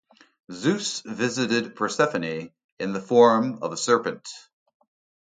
Zeus visited Persephone in the form of a serpent.